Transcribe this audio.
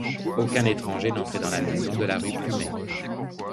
Aucun étranger n'entrait dans la maison de la rue Plumet.